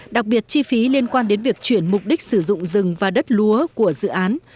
đặc biệt chi phí liên quan đến việc chuyển mục đích sử dụng rừng và đất lúa của dự án